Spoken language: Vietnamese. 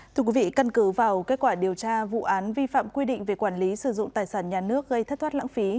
thưa quý vị cân cứ vào kết quả điều tra vụ án vi phạm quy định về quản lý sử dụng tài sản nhà nước gây thất thoát lãng phí